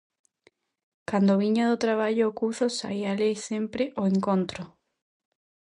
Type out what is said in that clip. Cando viña do traballo o cuzo saíalle sempre ao encontro.